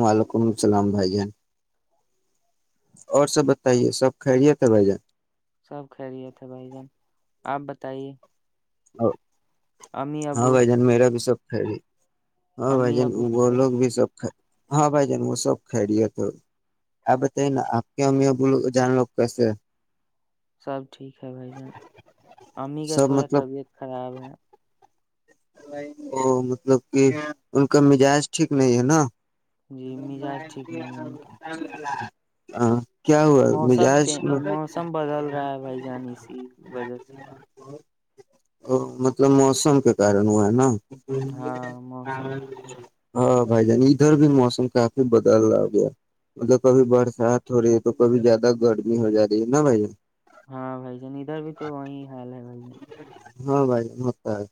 وعلیکم السلام بھائی جان اور سب بتائیے سب کھہرییے تھا ب جان سب کہرییا تھا بھائی جان آپ بتائیے ا امی ہاں ابو بھائی جان میرا بھی سب خری ہاں بھائی امی جان ابو وہ لوگ بھی سب ہاں بائی جن وہ سوب کھیڈی تھ آ بتائی نا آپ کے یہ بول جان لو کس سب ٹھیک ہے بھائی جان امی کا سب تھوڑا مطلب طبیعت خراب ہے ا مطلب کہ ان کا مزاج ٹھیک نہیں ہے نا جی م مزاج ٹھیک نہیں ہے ان کی [unintelligible] ہاں کیا ہوا موسم چ مزاج موسم بدل رہا ہے بھائی جان اسی وجہ سے ا مطلب موسم کے کار ہے نا ہاں موسم [unintelligible] ہ [unintelligible] بھائی جان ادھر بھی موسم کافی بدل آ گیا مطلب کبھی برسات ہو رہی ہے تو کبھی زیادہ گرمی ہو جا رہی ہے نا بھائی جان ہاں بھائی جین ادھر بھی تو وہیں ہاں بھائی متا ہے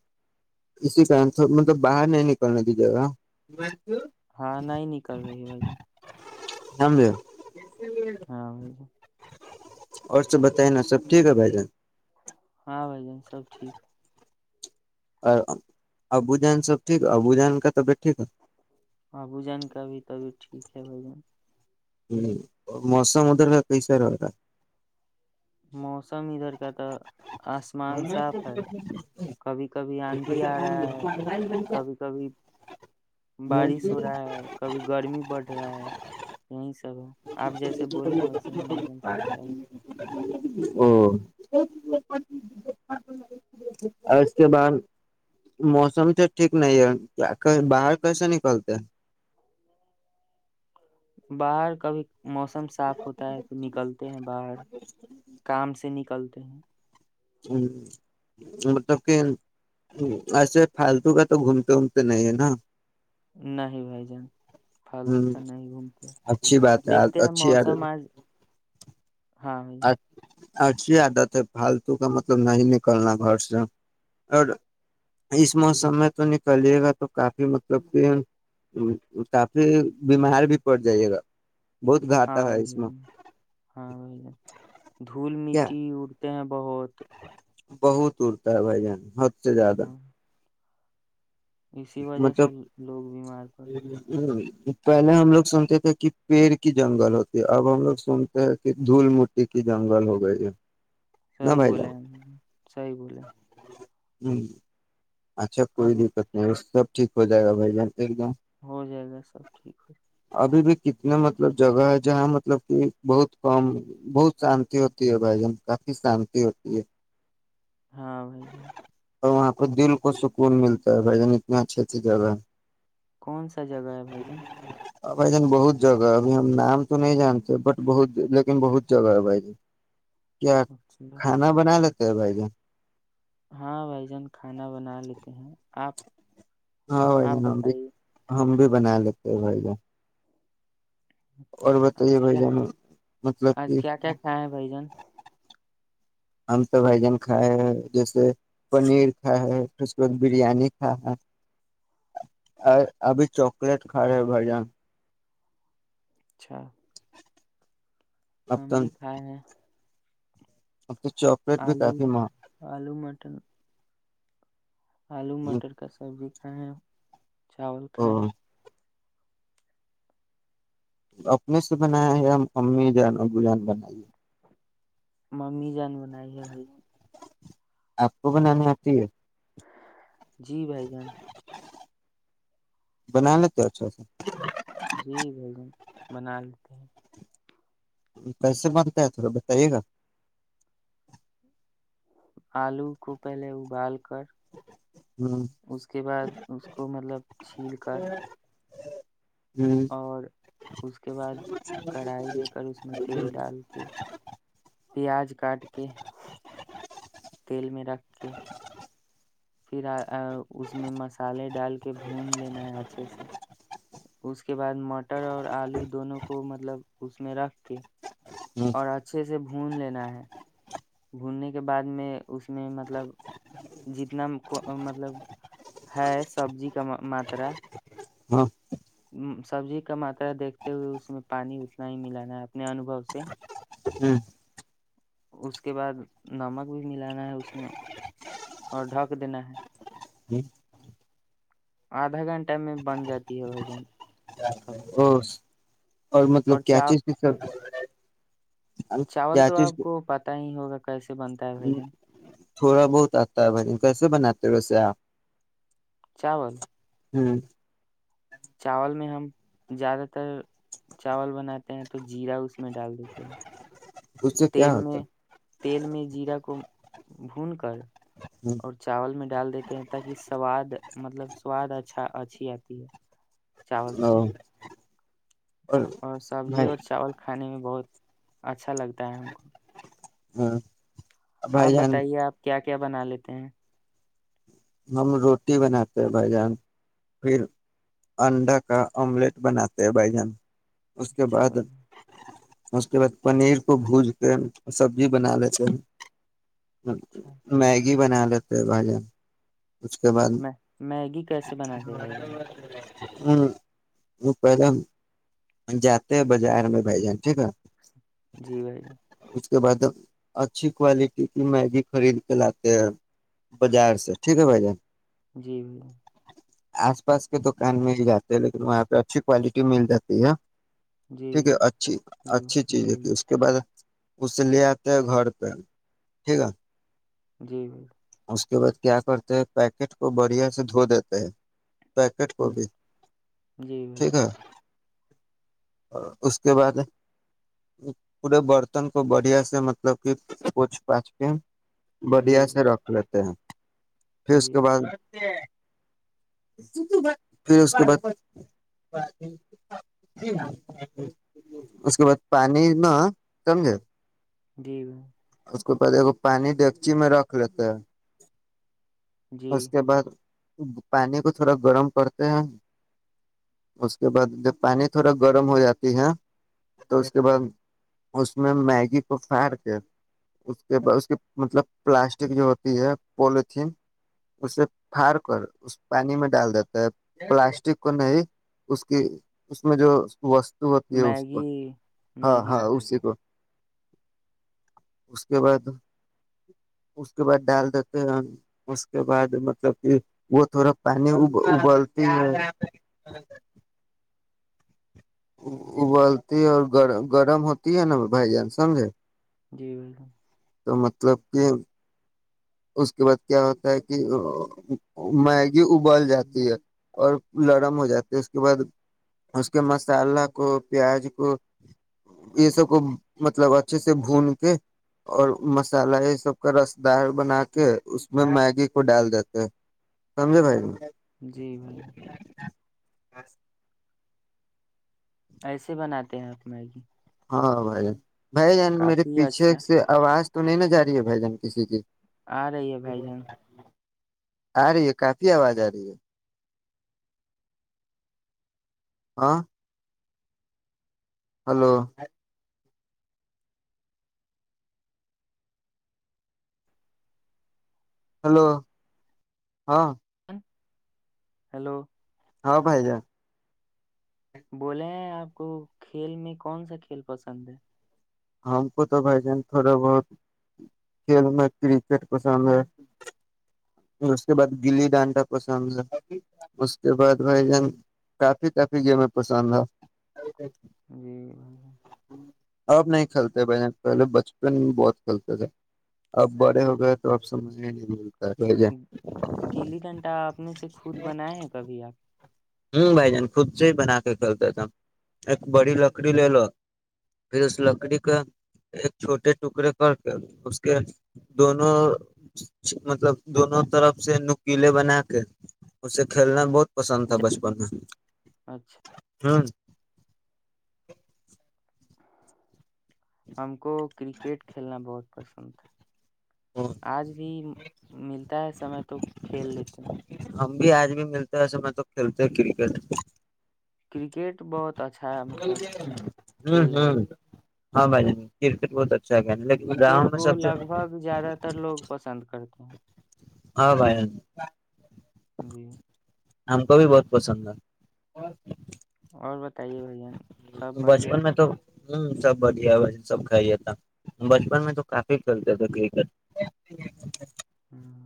اسی کن تھ مطلب باہر نہیں نکلنے دی جے گا ہاں نہیں ہی نکل رہی بھائی جم د [unintelligible] ہاں وہ تو اور سب بتائ نا سب ٹھیک ہے بھائی جان ہاں بھائی جان سب ٹھیک ہے اور ابو جان سب ٹھیک ہے ابو جان کا طبیعت ٹھیک ہے اچھا ہو جا ہ موس م ادر پیسا رہ گا موسم ادھر کا تو آسمان صاف ہے کبھی کبھی آندھی آ رہا ہے کبھی کبھی بارش ہو رہا ہے کبھی گرمی بڑھ رہا ہے وہیں [unintelligible] چل رہا ہے ہاں او اور اس کے بعد موسم تو ٹھیک نہیں ہے باہر کیسے نکلتے ہیں باہر کبھی موسم صاف ہوتا ہے تو نکلتے ہیں باہر کام سے نکل ت [unintelligible] ہ مطلب کہ ایسے پالتو کا تو گھومتے وومتے نہیں ہے نا نہیں بھائی جان پالتو ہوں، کا نہیں گھومتے اچھی بات ہے دیکھتے ہیں اچھی موسم آج ہاں ج [unintelligible] اچھی عادت ہے پالتو کا مطلب نہیں نکلنا گھر سے اور اس موسم میں تو نکلیے گا تو کافی مطلب کہ کافی بیمار بھی پڑ جائیے گا بہت گھٹا ہاں ہے اس بھائی میں جان، ہاں بھائی دھول کیا مٹی اور ہیں بہت بہت اڑتا ہے بائی جان سب سے زیادہ ہاں اسی وجہ سے مطلب لوگ بیمار پڑتے پہلے ہم لوگ سنتے تھے کہ پیڑ کی جنگل ہوتی ہے اب ہم لوگ سنتے ہیں کہ دھول مٹی کی جنگل ہو گئی ہے نہ سی بے بھائی جان سی بولے ہوں اچھا کوئی ابھی دقت نہیں اس سب ٹھیک ہو جائے گا بائی جان ایک دم ہو جائے گا سب ٹھیک ہو ابھی بھی کتنے مطلب جگہ ہے جہاں مطلب کہ بہت کم بہت شانتی ہوتی ہے بھائی جان کافی شانتی ہوتی ہے ہاں بھائی بائی اور وہاں پ دل س کو سکون ملتا ہے بھائی جان اتنے اچھی اچھی جگہ ہے کون سا جگہ ہے بھائی جان ا بھائی جان بہت جگہ ہے ابھی ہم نام تو نہیں جانتے بٹ بہت لیکن بہت جگہ ہے بھائی ج کیا اچھا، کھانا بنا لیتے س بھائی ج ہاں بھائی جان کھانا بنا لیتے ہیں آپ ہاں ج آپ ہم بھی بتائیے ہم بھی بنا لیتے بھائی ج اور اچھا بتائیے آج بھائی کیا جان مطلب آج کہ کیا کیا کھائے ہیں بھائی جان ہم تو بھجن کھائے جیسے پنیر کھاائے ہے پھر اس کے بعد بریانی کھا ہے ابھی چاکلیٹ کھا رہے ہے بھجن اچھا [unintelligible] [inaudible] اب تو ہم بھی کھائے ہیں اب تو چواکلیٹ بھی آلو کافی ماں آلو مٹر آلو مٹر کا سبزی ہاں [unintelligible] چاول کائے ہیں [unintelligible] اپنے سے بنایا یا امی جان ابو جان بنائیے ممی جان بنائی ہے بھائی نے آپ کو بنانی آتی ہے جی بھائی جان بنا لیتے اچھا سے جی بھجن بنا لیتے ہیں کیسے بنتا ہے تھڑا بتائیے گا آلو کو پہلے ابال کر اس کے بعد اس کو مطلب چھیل کر اور اس کے بعد کڑھائی لے کر اس میں تیل ڈال کے پیاز کاٹ کے تیل میں رکھ کے پھر اس میں مسالے ڈال کے بھون لینا ہے اچھے سے اس کے بعد مٹر اور آلو دونوں کو مطلب اس میں رکھ کے اور اچھے سے بھون لینا ہے بھوننے کے بعد میں اس میں مطلب جتنا مطلب ہے سبزی کا ماترا ہاں [unintelligible] سبزی کا ماترا دیکھتے ہوئے اس میں پانی اتنا ہی ملانا ہے اپنے انبو سے اس کے بعد نمک بھی ملانا ہے اس میں اور ڈھک دینا ہے آدھا گھنٹہ میں بن جاتی ہے بھائی جن سبز اور مطلب کیاچیز سب ہم کیا چیز [unintelligible] ت ہی ہوگا کیسے سے بنتا ہے بھ جان تھوڑا بہت آتا ہے بائی کیسے بناتے ہو اسے آپ چاول ہوں چاول میں ہم زیادہ تر چاول بناتے ہیں تو جیرا اس میں ڈال دیتے ہیں اس سے کیا تیل ہوتا میں تیل میں جیرا کو بھون کر اور چاول میں ڈال دیتے ہیں تاکہ سواد مطلب سواد اچھا اچھی آتی ہے چاول سے اور اور سبزی بھائی اور چاول کھانے میں بہت اچھا لگتا ہے ہم کو آپ بھائی جان بتائیے آپ کیا کیا بنا لیتے ہیں ہم روٹی بناتے ہیں بھائی جان پھر انڈا کا آملیٹ بناتے ہیں بھ جان اس کے اچھا بعد بھائی جان اس کے بعد پنیر کو بھج کے سبزی بنا لیتے ہ اچھا میں گ بنا لیتے بھجان اس کے بعد میں میگی ہ کیسے بناتے ہیں بھائی جان آپ [unintelligible] وہ پہلے ہم جاتے ہیں بازار میں بھائی جان ٹھیک ہے جی بھائی جان اس کے بع اچھی کوالٹی کی میگی خرید کے لاتے ہیں بازار سے ٹھیک ہے بھائی جان جی بھ آس پاس کے دکان میں ہی جاتے لیکن وہاں پہ اچھی کوالٹی مل جاتی ہے جی ٹھیک ہے اچھی جی اچھی چیز جی ہے کہ اس کے بعد اس سے لے آتے ہیں گھر پہ ٹھیک ہے جی بی اس کے بعد کیا کرتے ہیں پیکٹ کو بڑھیا سے دھو دیتے ہیں پیکٹ کوبی جی جی ٹھیک ہے اور اس کے بعد پورے برتن کو بڑھیا سے مطلب کہ پوچھ پاچ کے بھیا بھائی سر ر ہیں [unintelligible] پھر جی اس جی کے بعد پھر اس کے بعد اس کے بعد پانی نہ سمھے جب اس کے بعد ایکگ پانی ڈیکچی میں رکھ لیتا جی ہاں [unintelligible] اس کے بعد پانی کو تھوڑا گرم کرتے ہیں اس کے بعد جب پانی تھوڑا گرم ہو جاتی ہے تو اس کے بعد اس میں میگی کو پھاڑ کے اس کے بعد اس کے مطلب پلاسٹ جو ہوتی ہے پلیتن اسے پھڑ کر اس پانی میں ڈال دیتا ہے پلاسٹک کو نہیں اس کی اس میں جو ہوتی ہے اس کو میگی ہاں میگی ہاں اسی کو اس کے بعد اس کے بعد ڈال دیتے ہیں اس کے بعد مطلب کہ وہ تھوڑا پانیب ابلتی ہے ابلتی ہے اور گرم ہوتی ہے نا بھائی جان سمجھے جی بالکل تو مطلب کہ اس کے بعد کیا ہوتا ہے کہ میگی ابل جاتی ہے اور لرم ہو جاتی ہے اس کے بعد اس کے مسالہ کو پیاز کو یہ سب کو مطلب اچھے سے بھون کے اور مسالہ یہ سب کا رس دار بنا کے اس میں میگی کو ڈال دیتے ہیں سمجھے بھائی جی بھیا بس [unintelligible] ایسے بناتے ہیں آپ میگی ہاں بھائی بھائی جان میرے کافی پیچھے اچھا سے آواز تو نہیں نہا ج رہی ہے بھائی جان کسی کی آ رہی ہے بھائی جان آ رہی ہے کافی آواز آ رہی ہے ہاں ہلو ہلو ہاں ہیلو ہاں بھائی جا بولے ہیں آپ کو کھیل میں کون سا کھیل پسند ہے ہم کو تو بھائی جان تھوڑا بہت کھیل میں کرکٹ پسند ہے اس کے بعد گلی ڈانڈا پسند ہے اس کے بعد بھائی جن کافی کافی گیم پسند ہے جی [unintelligible] آب نہیں کھیلتے بھ پہلے بچپن میں بہت کھیلتے تھے اب بڑے ہو گئے تو اب سمجھ ہی نہیں ملتا ہے بھ گیلی ڈھنٹا اپنے سے خود بناائے ہیں کبھی آپ ہ بھائی جان خود سے ہی بنا کے کھیلتے تھے ایک بڑی لکڑی لے لو پھر اس لکڑی کے ایک چھوٹے ٹکڑے کر کے اس کے دونوں مطلب دونوں طرف سے نکیلے بنا کے اسے کھیلنا بہت پسند تھا بچپن میں اچھا [unintelligible] ہ [inaudible] ہم کو کرکٹ کھیلنا بہت پسند [unintelligible] آج بھی مل [unintelligible] تا ہے سمے تو کھیل لیتے ہیں [unintelligible] ہم بھی آج بھی ملتے ہیں اسسے میں تو کھیلتے ہیں کرکٹ کرکٹ بہت اچھا مطلب ہوں کھیل ہے ہوں ہاں بائی جان کرکٹ بہت اچھا کھیل لیکن گاؤں کرکٹ میں کو سب سے لگ بھگ زیادہ تر لوگ پسند کرتے ہیں ہاں بھائی بھی ہم کو بھی بہت پسند ہے اور بتائیے بھائی جان سب بڑھیا بچپن میں تو ہوں سب بڑھیا بس سب کھائی تھا بچپن میں تو کافی کھیلتے تھے ککٹ ہاں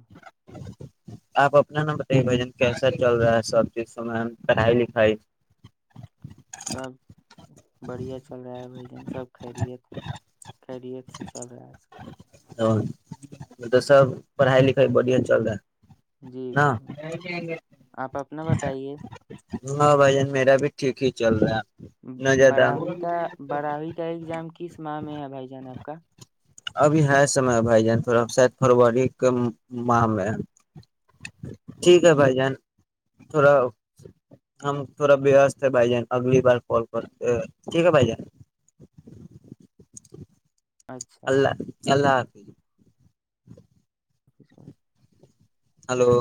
آپ اپنا نا بتائیے بھ جن کیسا چل رہا ہے سب چیزوں میں پڑھائی لکھائی سب بڑھیا چل رہا ہے بیجن سب خیریت ہے خیریت سے چل رہا ہے سب ہ مطلب سب پڑھائی لکھائی بڑیا چل رہا ہے جی نا بھائی ج آپ اپنا بتائیے ہاں بھائیان میرا بھی ٹھیک ہی چل رہا ہیں باراوی کا باراوی کا ایگزام کس ماہ میں ہے بھائی جان آپ کا ابھی ہے سمے ہے بھائی جان تھڑا شاید فروری کے ماہ میں ہے ٹھیک ہے بھائی جان تھوڑا ہم تھوڑا بیست ہے بھائی جان اگلی بار کال کرتے ٹھیک ہے بھائی جان اچھا اللہ اللہ آ [inaudible] وفس کاوں ہلو